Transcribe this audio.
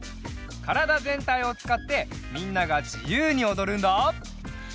からだぜんたいをつかってみんながじゆうにおどるんだ。